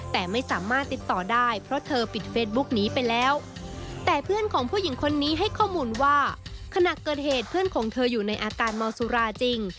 ซึ่งสำหรับเพื่อนเคยไม่สามารถไปสิ้นโฌน